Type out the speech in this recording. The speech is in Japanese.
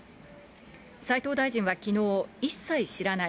斉藤大臣はきのう、一切知らない。